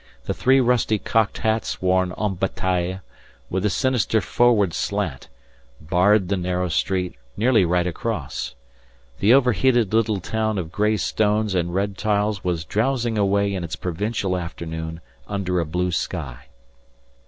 The three rusty cocked hats worn en bataille, with a sinister forward slant, barred the narrow street nearly right across. The overheated little town of gray stones and red tiles was drowsing away its provincial afternoon under a blue sky.